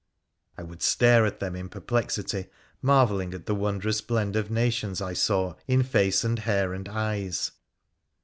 I would stare at them in perplexity, marvelling at the wondrous blend of nations I saw in face and hair and eyes.